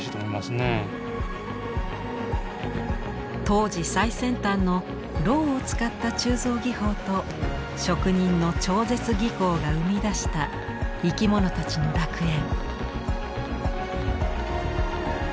当時最先端のろうを使った鋳造技法と職人の超絶技巧が生み出した生き物たちの楽園。